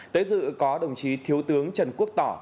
tới dự có đồng chí thiếu tướng trần quốc tỏ